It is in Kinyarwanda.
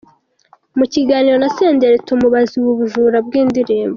Mu kiganiro na Senderi tumubaza ubu bujura bwindirimbo.